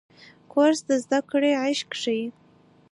کورس د زده کړې عشق ښيي.